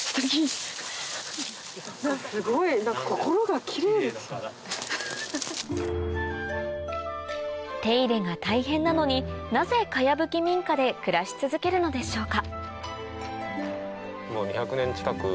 すごい！手入れが大変なのになぜ茅ぶき民家で暮らし続けるのでしょうか？